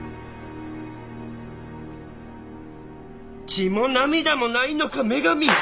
「血も涙もないのか女神！」